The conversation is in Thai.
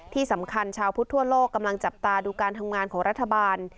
ที่สำคัญชาวพุทธทั่วโลกกำลังจับตาดูการทำงานของรัฐบาล